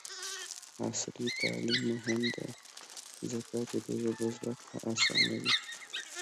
عصري تعلیم مهم دی ځکه چې د ژبو زدکړه اسانوي.